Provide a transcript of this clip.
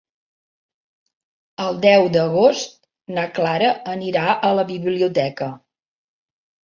El deu d'agost na Clara anirà a la biblioteca.